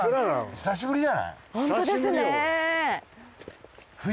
久しぶりじゃない？